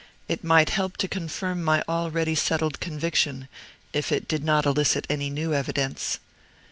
It might help to confirm my already settled conviction, if it did not elicit any new evidence.